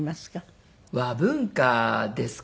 和文化ですかね。